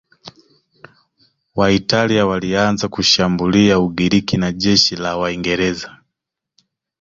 Waitalia walianza kushambulia Ugiriki na jeshi la Waingereza